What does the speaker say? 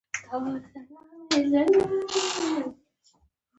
که د ګاز کوچنی بالون وښوروئ مایع ښوریږي.